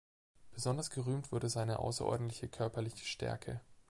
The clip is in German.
Besonders gerühmt wurde seine außerordentliche körperliche Stärke.